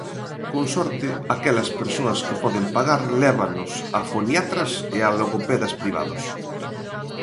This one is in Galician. Con sorte, aquelas persoas que poden pagar lévanos a foniatras e a logopedas privados.